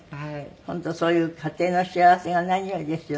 本当そういう家庭の幸せが何よりですよね。